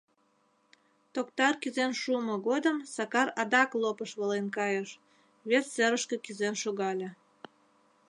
Токтар кӱзен шуымо годым Сакар адак лопыш волен кайыш, вес серышке кӱзен шогале.